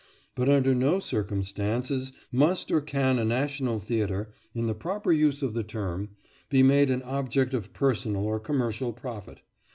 But under no circumstances must or can a national theatre, in the proper use of the term, be made an object of personal or commercial profit.